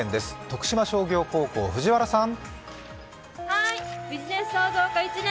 徳島商業高校、藤原さん。